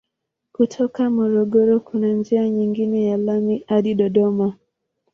Kutoka Morogoro kuna njia nyingine ya lami hadi Dodoma.